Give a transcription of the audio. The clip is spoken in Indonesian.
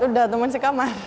sudah teman sekamar